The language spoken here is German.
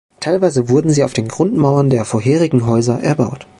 Teilweise wurden sie auf den Grundmauern der vorherigen Häuser erbaut.